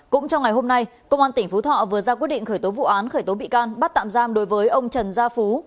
cũng trong ngày hôm nay công an tỉnh phú thọ vừa ra quyết định khởi tố vụ án khởi tố bị can bắt tạm giam đối với ông trần gia phú